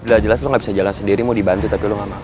udah jelas lo gak bisa jalan sendiri mau dibantu tapi lu gak mau